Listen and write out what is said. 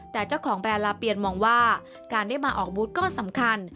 แต่เจ้าของแบรนด์ลาเปียนมองว่าการได้มาออกบูธก็สำคัญ